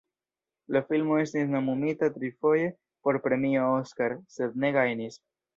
La filmo estis nomumita trifoje por Premio Oskar, sed ne gajnis.